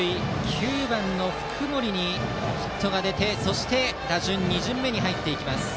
９番の福盛にヒットが出てそして、打順２巡目に入ります。